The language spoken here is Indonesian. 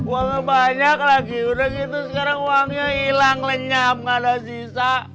uangnya banyak lagi udah gitu sekarang uangnya hilang lenyap nggak ada sisa